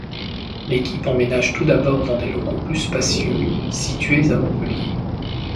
L'équipe emménage tout d'abord dans des locaux plus spacieux, situés à Montpellier.